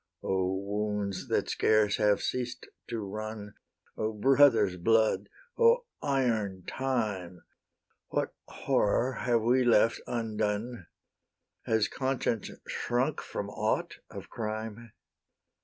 O wounds that scarce have ceased to run! O brother's blood! O iron time! What horror have we left undone? Has conscience shrunk from aught of crime?